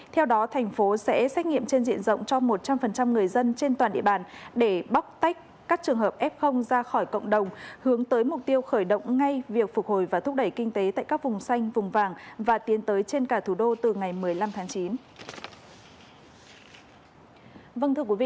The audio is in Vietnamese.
theo đó thành phố sẽ xét nghiệm trên diện rộng cho một trăm linh người dân trên toàn địa bàn để bóc tách các trường hợp f ra khỏi cộng đồng hướng tới mục tiêu khởi động ngay việc phục hồi và thúc đẩy kinh tế tại các vùng xanh vùng vàng và tiến tới trên cả thủ đô từ ngày một mươi năm tháng chín